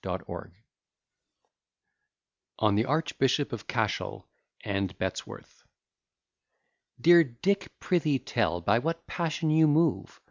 B._] ON THE ARCHBISHOP OF CASHEL, AND BETTESWORTH Dear Dick, pr'ythee tell by what passion you move?